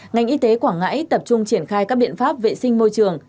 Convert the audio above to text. ngành y tế quảng ngãi tập trung triển khai các biện pháp vệ sinh môi trường